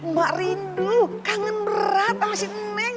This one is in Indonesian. mak rindu kangen berat sama si neng